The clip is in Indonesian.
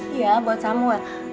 iya buat samuel